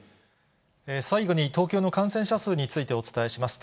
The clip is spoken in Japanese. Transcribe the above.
最後に東京の感染者数についてお伝えします。